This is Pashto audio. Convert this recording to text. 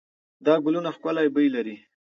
دا ګلونه ښکلې بوی لري.